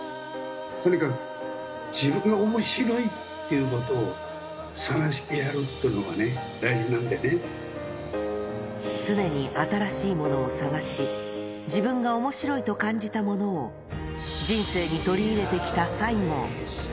とにかく自分がおもしろいっていうことを探してやるというのはね、常に新しいものを探し、自分がおもしろいと感じたものを人生に取り入れてきた西郷。